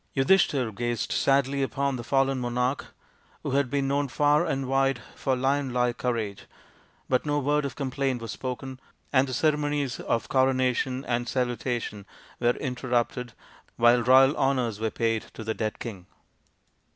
Yudhishthir gazed sadly upon the fallen monarch, who had been known far and wide for lion like courage, but no word of complaint was spoken, and the ceremonies of coronation and salu tation were interrupted while royal honours were paid to the dead king.